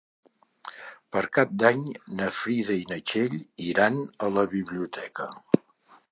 Per Cap d'Any na Frida i na Txell iran a la biblioteca.